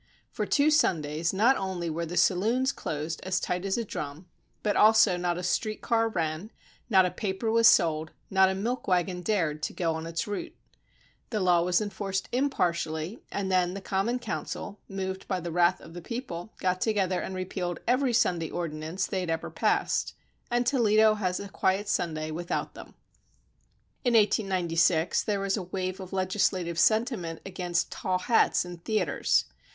For two Sundays not only were the saloons closed as tight as a drum, but also not a street car ran, not a paper was sold, not, a milk wagon dared go on its route. The law was enforced impartially and then the common council, moved by the wrath of the people, got together and repealed every Sunday ordinance they had ever passed, and Toledo has a quiet Sunday without them. In 1 896 there was a wave of legislative sentiment against tall hats in theatres.